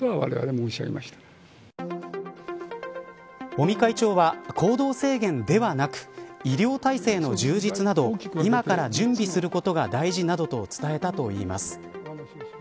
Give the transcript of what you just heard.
尾身会長は、行動制限ではなく医療体制の充実など今から準備することが大事などと伝えたといいます。